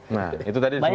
nah itu tadi sebetulnya